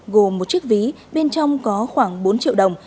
gồm một chiếc ví bên trong có khoảng bốn triệu đồng